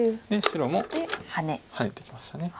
白もハネてきました。